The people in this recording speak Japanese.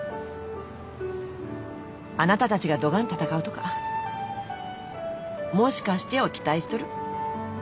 あなたたちがどがん戦うとか「もしかして」を期待しとる。